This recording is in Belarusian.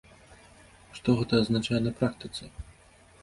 Што гэта азначае на практыцы?